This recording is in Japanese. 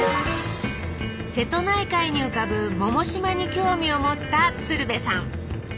瀬戸内海に浮かぶ百島に興味を持った鶴瓶さん